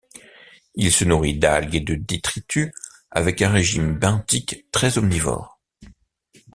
Il se nourrit d'algues et de détritus, avec un régime benthique très omnivore.